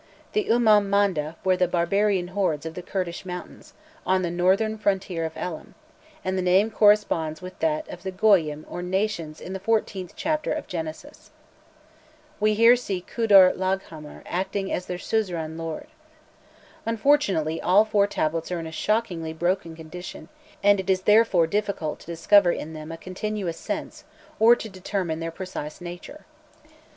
The Umman Manda were the "Barbarian Hordes" of the Kurdish mountains, on the northern frontier of Elam, and the name corresponds with that of the Goyyim or "nations" in the fourteenth chapter of Genesis. We here see Kudur Laghghamar acting as their suzerain lord. Unfortunately, all four tablets are in a shockingly broken condition, and it is therefore difficult to discover in them a continuous sense, or to determine their precise nature.